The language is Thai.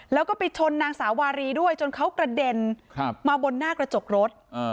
แล้วก็ไปชนนางสาวารีด้วยจนเขากระเด็นมาบนหน้ากระจกรถ